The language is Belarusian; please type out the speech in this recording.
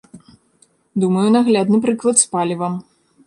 Думаю, наглядны прыклад з палівам.